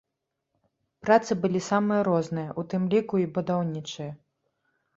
Працы былі самыя розныя, у тым ліку і будаўнічыя.